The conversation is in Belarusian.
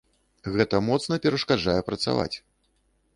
Гэта моцна перашкаджае працаваць!